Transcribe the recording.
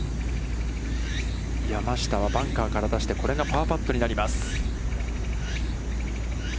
山下はバンカーから出して、これがパーパットになります。